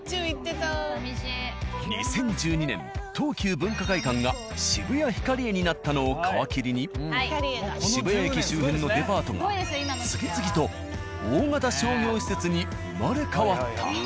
２０１２年東急文化会館が渋谷ヒカリエになったのを皮切りに渋谷駅周辺のデパートが次々と大型商業施設に生まれ変わった。